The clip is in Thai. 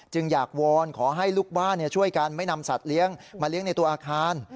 อยากวอนขอให้ลูกบ้านช่วยกันไม่นำสัตว์เลี้ยงมาเลี้ยงในตัวอาคาร